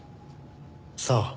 さあ。